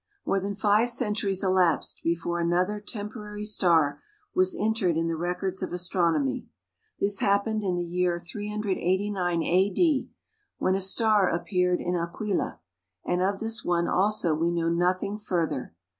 More than five centuries elapsed before another temporary star was entered in the records of astronomy. This happened in the year 389 A.D., when a star appeared in Aquila; and of this one also we know nothing further.